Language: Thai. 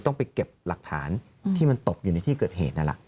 ต้องไปเก็บหลักฐานที่มันตกอยู่ในที่เกิดเหตุนั่นแหละ